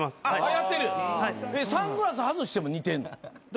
やってる⁉サングラス外しても似てんの？